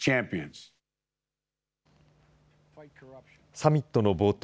サミットの冒頭